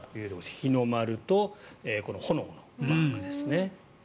日の丸と炎のマークですね。